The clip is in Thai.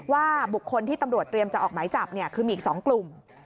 ว่าบุคคลที่ตำรวจเตรียมจะออกหมายจับคือมีอีก๒กลุ่ม